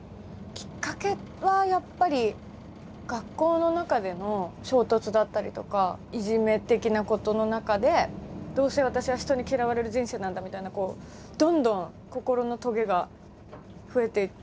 きっかけはやっぱり学校の中での衝突だったりとかいじめ的なことの中でどうせ私は人に嫌われる人生なんだみたいなどんどん心のトゲが増えていって。